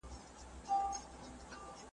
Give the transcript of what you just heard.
څوک به پوه سي چي له چا به ګیله من یې؟ .